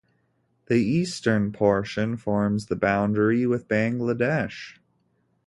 The eastern portion forms the boundary with Bangladesh.